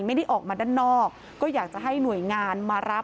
ไม่ได้ออกมาด้านนอกก็อยากจะให้หน่วยงานมารับ